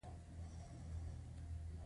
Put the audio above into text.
دوی بندرونه د اوبو د کنټرول لپاره کارول.